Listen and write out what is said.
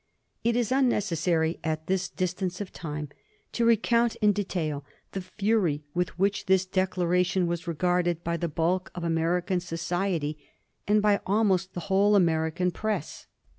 It is unnecessary at this distance of time to recount in detail the fury with which this declaration was regarded by the bulk of American society, and by almost the whole American press.